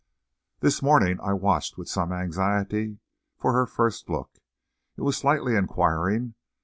This morning I watched with some anxiety for her first look. It was slightly inquiring.